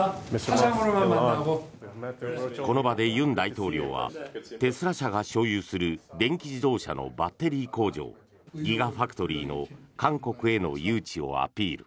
この場で尹大統領はテスラ社が所有する電気自動車のバッテリー工場ギガファクトリーの韓国への誘致をアピール。